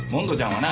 はな